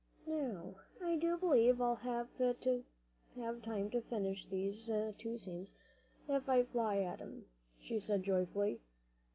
"Now I do believe I'll have time to finish these two seams, if I fly at 'em," she said joyfully.